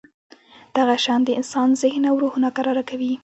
دغه شیان د انسان ذهن او روح ناکراره کوي.